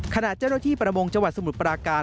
ขณะเจ้าหน้าที่ประมงจังหวัดสมุทรปราการ